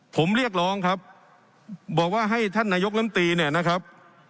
ผมเรียกร้องครับบอกว่าให้ท่านนายกลำตีเนี่ยนะครับ